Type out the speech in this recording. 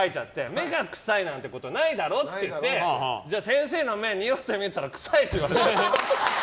目が臭いなんてことないだろって言って先生の目におってみって言ったら臭いって言われて。